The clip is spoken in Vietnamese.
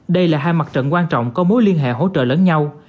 đây là hai mặt trận quan trọng có mối liên hệ hỗ trợ lẫn nhau